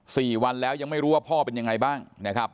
สี่วันแล้วยังไม่รู้ว่าพ่อเป็นยังไงบ้างนะครับ